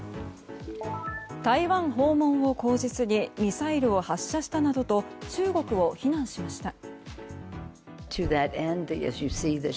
台湾訪問を口実にミサイルを発射したなどと中国を非難しました。